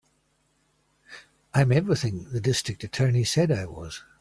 I'm everything the District Attorney said I was.